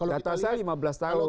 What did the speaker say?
data saya lima belas tahun